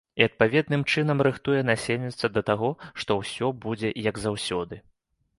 І адпаведным чынам рыхтуе насельніцтва да таго, што ўсё будзе, як заўсёды.